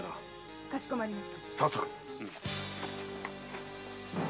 かしこまりました。